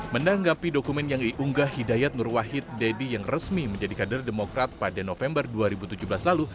menanggapi dokumen yang diunggah hidayat nur wahid deddy yang resmi menjadi kader demokrat pada november dua ribu tujuh belas lalu